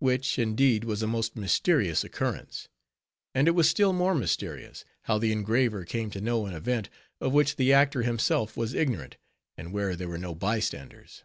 Which, indeed, was a most mysterious occurrence; and it was still more mysterious, how the engraver came to know an event, of which the actor himself was ignorant, and where there were no bystanders.